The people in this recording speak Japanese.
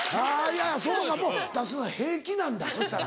いやそうかもう出すの平気なんだそしたら。